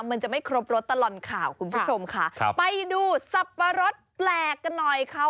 มันจะไม่ครบรสตลอดข่าวคุณผู้ชมค่ะครับไปดูสับปะรดแปลกกันหน่อยค่ะ